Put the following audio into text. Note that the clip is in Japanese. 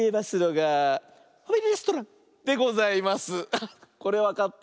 あっこれわかった？